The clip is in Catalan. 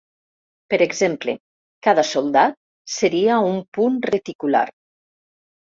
Per exemple, cada soldat seria un punt reticular.